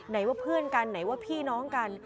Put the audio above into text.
ว่าเพื่อนกันไหนว่าพี่น้องกัน